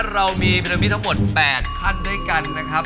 เรามีเบลมีทั้งหมด๘ขั้นด้วยกันนะครับ